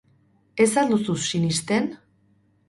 Ez al duzu sinesten?